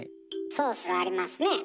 ソースはありますねえ。